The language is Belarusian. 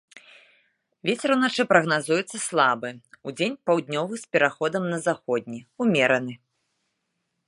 Вецер уначы прагназуецца слабы, удзень паўднёвы з пераходам на заходні, умераны.